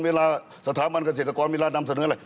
เวลาสถาบันเกษตรกรเวลานำเสนออะไร